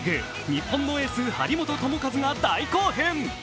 日本のエース・張本智和が大興奮！